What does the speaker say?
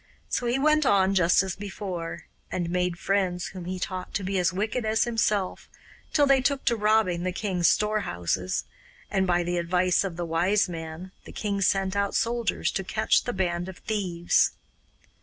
So he went on just as before, and made friends whom he taught to be as wicked as himself, till they took to robbing the king's storehouses, and by the advice of the Wise Man the king sent out soldiers to catch the band of thieves.